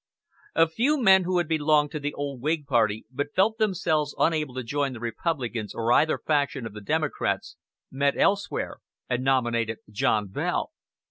A few men who had belonged to the old Whig party, but felt themselves unable to join the Republicans or either faction of the Democrats, met elsewhere and nominated John Bell.